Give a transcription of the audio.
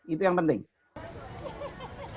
itu yang penting